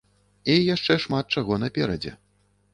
І яшчэ шмат чаго наперадзе.